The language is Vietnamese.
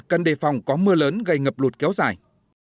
cần đề phòng có mưa lớn gây ngập lụt kéo dài